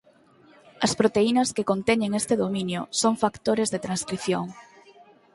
As proteínas que conteñen este dominio son factores de transcrición.